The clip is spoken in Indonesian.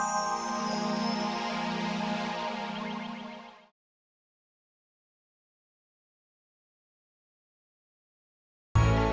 kalau gitu kamu minta transfer aja tut